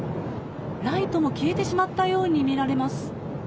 ライトも消えてしまったように見られます。